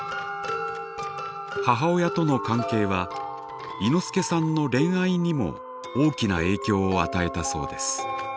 母親との関係はいのすけさんの恋愛にも大きな影響を与えたそうです。